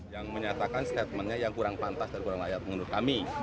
yang menyatakan statementnya yang kurang pantas dari kurang layak menurut kami